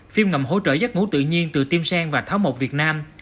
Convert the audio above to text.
phim ngầm hỗ trợ giác ngũ tự nhiên từ tim sen và tháo mộc việt nam